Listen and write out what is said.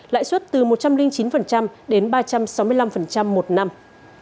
lãi suất từ một trăm linh chín đến ba trăm sáu mươi năm một năm